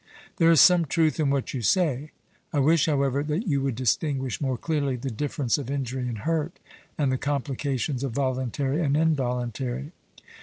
'There is some truth in what you say. I wish, however, that you would distinguish more clearly the difference of injury and hurt, and the complications of voluntary and involuntary.'